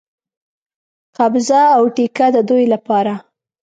قبضه او ټیکه د دوی لپاره.